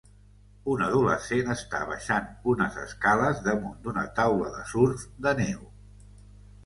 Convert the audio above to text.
Un adolescent està baixant unes escales damunt d'una taula de surf de neu.